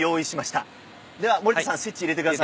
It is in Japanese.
では森田さんスイッチ入れてください。